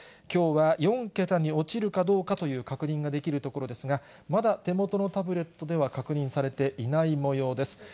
きょうは４桁に落ちるかどうかという確認ができるところですが、まだ手元のタブレットでは確認されていないもようです。